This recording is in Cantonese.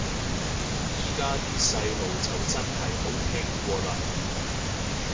依家啲細路就真係冇聽過嘞